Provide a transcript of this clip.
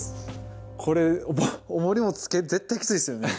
これおもりもつけ絶対キツイですよね。